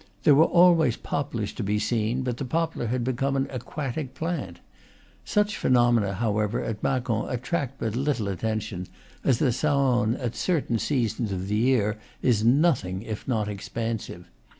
There were always poplars to be seen, but the poplar had become an aquatic plant. Such phenomena, however, at Macon attract but little attention, as the Saone, at certain seasons of the year, is nothing if not expansive.